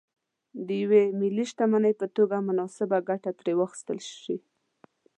د یوې ملي شتمنۍ په توګه مناسبه ګټه ترې واخیستل شي.